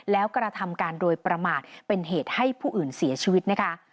แล้วกระทำการโดยประมาทเป็นเหตุให้ผู้อื่นเสียชีวิตนะคะ